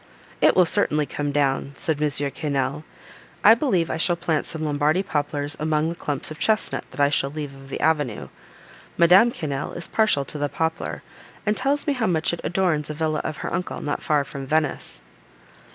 "It will certainly come down," said M. Quesnel; "I believe I shall plant some Lombardy poplars among the clumps of chesnut, that I shall leave of the avenue; Madame Quesnel is partial to the poplar, and tells me how much it adorns a villa of her uncle, not far from Venice."